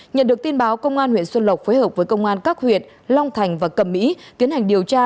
nhận được tin báo công an huyện xuân lộc phối hợp với công an các huyện long thành và cầm mỹ tiến hành điều tra